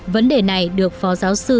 vấn đề này được phó giáo sư